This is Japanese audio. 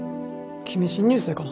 君新入生かな。